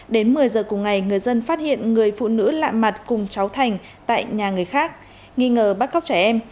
đến một mươi giờ cùng ngày người dân phát hiện người phụ nữ lạ mặt cùng cháu thành tại nhà người khác nghi ngờ bắt cóc trẻ em